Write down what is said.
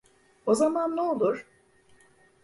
O zaman ne olur?